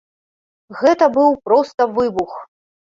Гэта быў проста выбух!